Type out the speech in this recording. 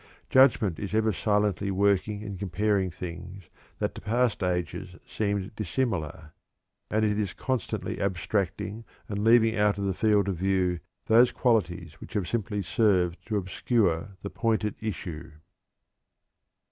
Judgment is ever silently working and comparing things that to past ages seemed dissimilar; and it is constantly abstracting and leaving out of the field of view those qualities which have simply served to obscure the point at issue."